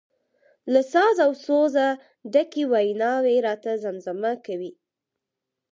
له ساز او سوزه ډکې ویناوي راته زمزمه کوي.